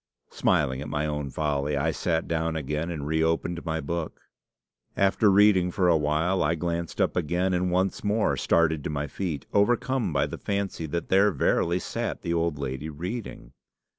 Smiling at my own folly, I sat down again, and reopened my book. After reading for a while, I glanced up again, and once more started to my feet, overcome by the fancy that there verily sat the old lady reading.